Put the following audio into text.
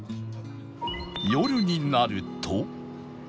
夜になると